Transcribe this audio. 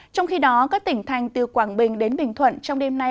trong khi đó các tỉnh thành từ quảng bình đến bình thuận trong đêm nay